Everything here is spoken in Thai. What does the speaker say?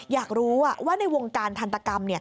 อยากรู้ว่าในวงการทันตกรรม